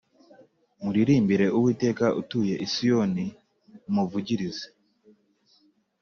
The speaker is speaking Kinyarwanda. Muririmbire uwiteka utuye i siyoni mumuvugirize